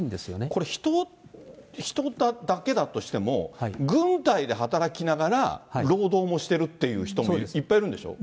これ、人だけだとしても、軍隊で働きながら、労働もしてるっていう人もいっぱいいるんでしょ。